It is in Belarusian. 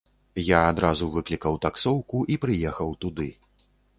Я адразу выклікаў таксоўку і прыехаў туды.